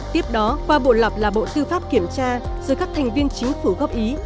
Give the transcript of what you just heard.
tiếp đó qua bộ lập là bộ tư pháp kiểm tra rồi các thành viên chính phủ góp ý